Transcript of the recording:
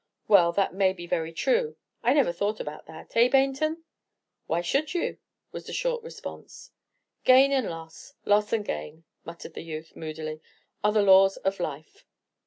"Well, that may be very true; I never thought about that, eh, Baynton?" "Why should you?" was the short response. "Gain and loss, loss and gain," muttered the youth, moodily, "are the laws of life."